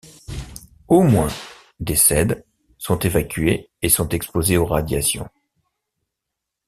Au moins décèdent, sont évacuées et sont exposées aux radiations.